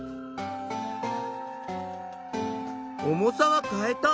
重さは変えた。